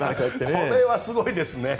これはすごいですね。